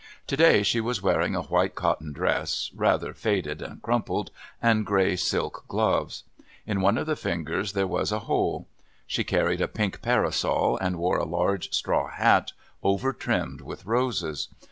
To day she was wearing a white cotton dress, rather faded and crumpled, and grey silk gloves; in one of the fingers there was a hole. She carried a pink parasol, and wore a large straw hat overtrimmed with roses.